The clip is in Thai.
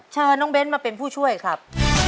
เชิญน้องเบ้นมาเป็นผู้ช่วยครับ